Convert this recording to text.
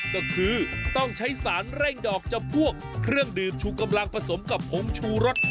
ก็คือต้องใช้สารเร่งดอกจำพวกเครื่องดื่มชูกำลังผสมกับผงชูรส